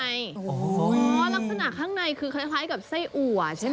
ลักษณะข้างในคือคล้ายกับไส้อัวใช่ไหม